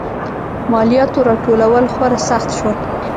مالیاتو راټولول خورا سخت شول.